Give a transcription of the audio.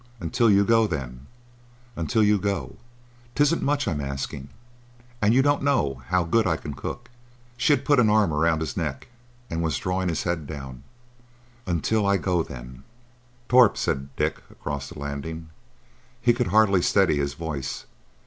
Until you go, then. Until you go. 'Tisn't much I'm asking, and—you don't know how good I can cook." She had put an arm round his neck and was drawing his head down. "Until—I—go, then." "Torp," said Dick, across the landing. He could hardly steady his voice.